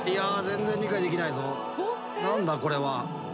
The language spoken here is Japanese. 何だこれは。